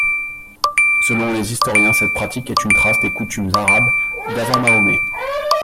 Selon les historiens cette pratique est une trace des coutumes arabes d'avant Mahomet.